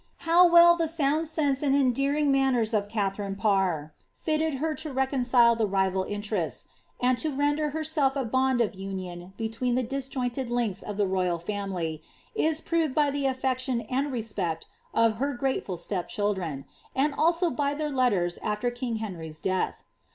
How well the sound •^•c and endearing manners of Katharine Parr lilted her to reconcile jS^ rival interests, and to render herself a bond of union between the ^^ointed links of the royal family, is proved by the allbctioii and re ject of her grateful step children, and also by their letters after king 2*'Jr}''s death.